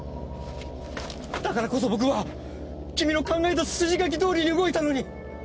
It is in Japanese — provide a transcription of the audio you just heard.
だからこそ僕は君の考えた筋書きどおりに動いたのに。